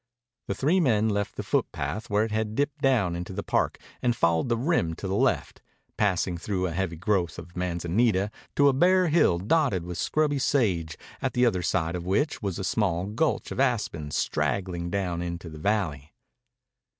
The three men left the footpath where it dipped down into the park and followed the rim to the left, passing through a heavy growth of manzanita to a bare hill dotted with scrubby sage, at the other side of which was a small gulch of aspens straggling down into the valley.